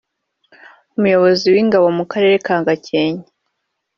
Umuyobozi w'Ingabo mu Karere ka Gakenke